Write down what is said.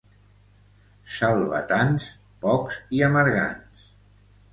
Selvatans, pocs i amargants.